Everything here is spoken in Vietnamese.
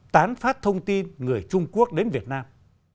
tán phát thông tin người trung quốc đến việt nam